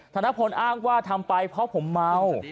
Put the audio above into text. ธนพลอ้างว่าทำไปเพราะผมเมา